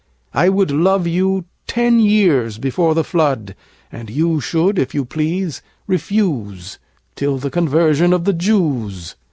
I would Love you ten years before the Flood, And you should, if you please, refuse Till the conversion of the Jews.